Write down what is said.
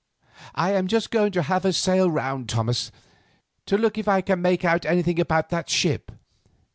"I am just going to have a sail round, Thomas, to look if I can make out anything about that ship."